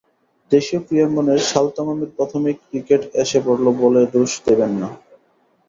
দেশীয় ক্রীড়াঙ্গনের সালতামামির প্রথমেই ক্রিকেট এসে পড়ল বলে দোষ নেবেন না।